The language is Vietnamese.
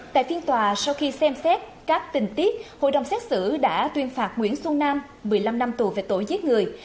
tại phiên tòa sau khi xem xét các tình tiết hội đồng xét xử đã tuyên phạt nguyễn xuân nam một mươi năm năm tù về tội giết người